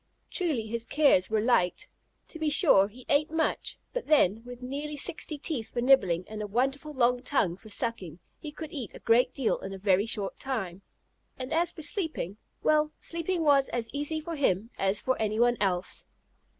Truly his cares were light. To be sure, he ate much, but then, with nearly sixty teeth for nibbling and a wonderful long tongue for sucking, he could eat a great deal in a very short time. And as for sleeping well, sleeping was as easy for him as for anyone else.